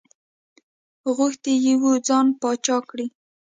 غوښتي یې وو ځان پاچا کړي.